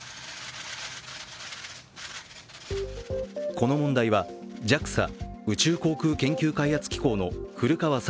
この問題はＪＡＸＡ＝宇宙航空研究開発機構の古川聡